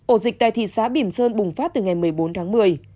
ổ dịch tại thị xã bỉm sơn bùng phát từ ngày một mươi bốn tháng một mươi